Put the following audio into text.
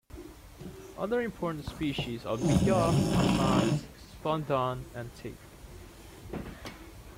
Other important species are bija, asan, bandhan and teak.